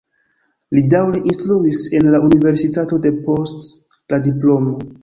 Li daŭre instruis en la universitato depost la diplomo.